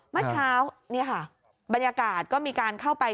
เมื่อเช้านี่ค่ะบรรยากาศก็มีการเข้าไป